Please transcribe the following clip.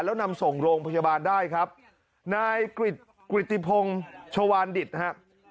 แล้วนำส่งโรงพยาบาลได้ครับนายกริจกริติพงศ์ชวานดิตฮะ